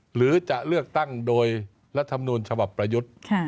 หรือจะเลือกตั้งโดยรัฐมนูญฉบับประยุทธ์